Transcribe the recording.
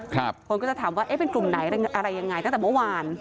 คนก็จะถามว่าเอ๊ะเป็นกลุ่มไหนอะไรยังไงตั้งแต่เมื่อวาน